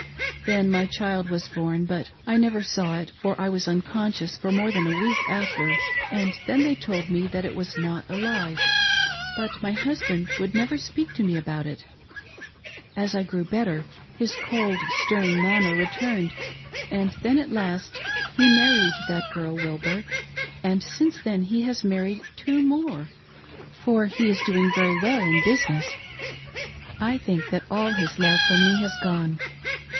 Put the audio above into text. Then my child was born, but I never saw it, for I was unconscious for more than a week after, and then they told me that it was not alive, but my hus band would never speak to me' about it. As I grew better, his cold, stern manner returned, and then at last he married that girl Wilbur, and since then he has married two more, for he is doing very well in business. I think that all his love for me has gone.